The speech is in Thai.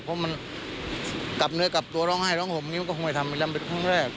เพราะมันกลับเนื้อกลับตัวร้องไห้ร้องห่มนี้มันก็คงไม่ทำไปแล้วมันเป็นครั้งแรก